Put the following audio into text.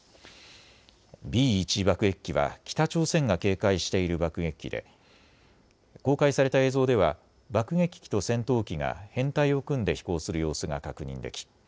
Ｂ１爆撃機は北朝鮮が警戒している爆撃機で公開された映像では爆撃機と戦闘機が編隊を組んで飛行する様子が確認でき